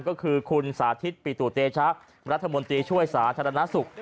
ก็คือคุณสาธิตปิตุเตชะรัฐมนตรีช่วยสาธารณสุข